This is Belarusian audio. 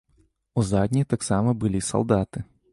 У задняй таксама былі салдаты.